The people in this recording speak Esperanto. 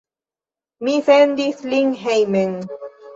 Mi sendis lin hejmen.